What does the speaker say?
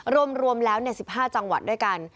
รวมแล้ว๑๕จังหวัดด้วยกัน